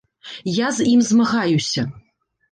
Я з ім змагаюся.